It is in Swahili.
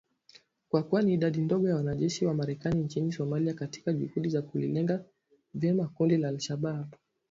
kuwa na idadi ndogo ya wanajeshi wa Marekani nchini Somalia katika juhudi za kulilenga vyema kundi la al-Shabaab